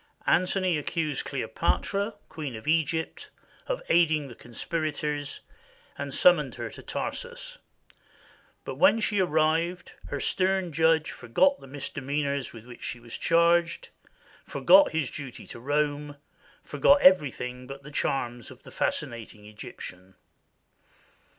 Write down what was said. Antony accused Cleopatra, Queen of Egj^pt, of aiding the conspirators, and summoned her to Tarsus, but when she arrived, her stern judge forgot the misdemeanors with which she was charged, forgot his duty to Rome, forgot everything but the charms of the fascinating Egyptian.